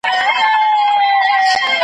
په لرگیو په چړو سره وهلي .